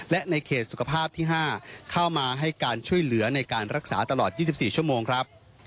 และในเขตสุขภาพที่๕เข้ามาให้การช่วยเหลือในการรักษาตลอด๒๔ชั่วโมงครับ